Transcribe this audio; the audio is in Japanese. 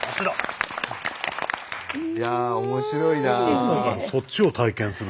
いやあ面白いなあ。